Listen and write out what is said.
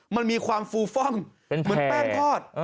มันมีความฟูฟ่องเหมือนแป้งทอด